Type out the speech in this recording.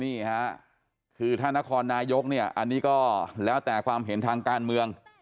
นี่ค่ะคือถ้านครนายกเนี่ยอันนี้ก็แล้วแต่ความเห็นทางการเมือง